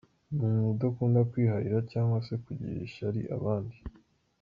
Ni umuntu udakunda kwiharira cyangwa se kugirira ishyari abandi.